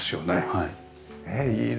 はい。